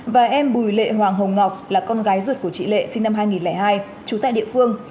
và em bùi lệ hoàng hồng ngọc là con gái ruột của chị lệ sinh năm hai nghìn hai trú tại địa phương